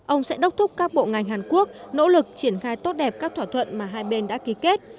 ông sẽ đốc thúc các bộ ngành hàn quốc nỗ lực triển khai tốt đẹp các thỏa thuận mà hai bên đã ký kết